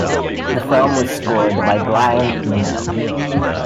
The film was scored by Brian Eno.